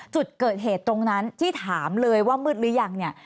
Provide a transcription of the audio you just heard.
จุดเกิดเหตุตรงนั้นที่ถามเลยว่ามืดหรือยังเนี่ย